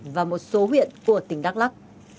và một số huyện của tỉnh đắk lắc